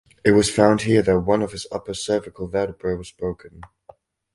It was found here that one of his upper cervical vertebrae was broken.